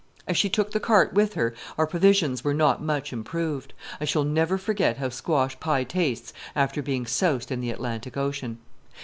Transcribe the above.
As she took the cart with her, our provisions were not much improved. I shall never forget how squash pie tastes after being soused in the Atlantic Ocean.